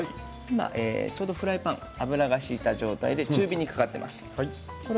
ちょうどフライパン油を引いた状態で中火にかかっています。